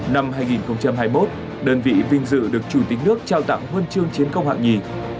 năm hai nghìn hai mươi một đơn vị vinh dự được chủ tịch nước trao tặng huân chương chiến công hạng nhì